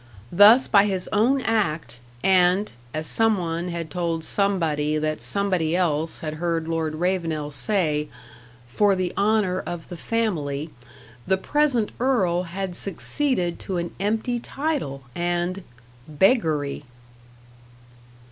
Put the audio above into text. Thus by his own act, and as some one had told somebody that somebody else had heard Lord Ravenel say: "for the honour of the family," the present earl had succeeded to an empty title, and beggary.